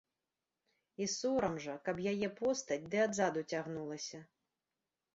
І сорам жа, каб яе постаць ды адзаду цягнулася.